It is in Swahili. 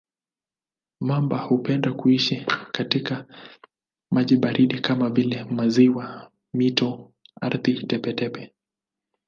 Mamba hupenda kuishi katika maji baridi kama vile maziwa, mito, ardhi tepe-tepe.